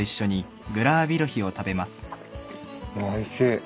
おいしい。